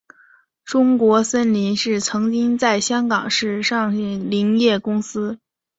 中国森林是曾在香港上市的林业公司。